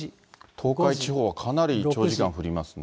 東海地方はかなり長時間降りますね。